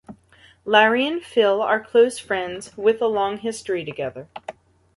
Larry and Phil are close friends with a long history together.